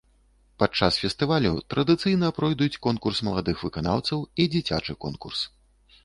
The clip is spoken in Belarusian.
Падчас фестывалю традыцыйна пройдуць конкурс маладых выканаўцаў і дзіцячы конкурс.